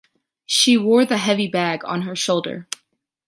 She wore the heavy bag on her shoulder.